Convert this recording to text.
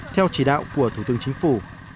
theo chỉ đạo của thủ tướng chính phủ